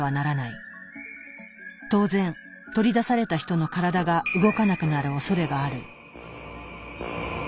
当然取り出された人の体が動かなくなるおそれがある。